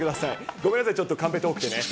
ごめんなさい、ちょっとカンペ遠くてね。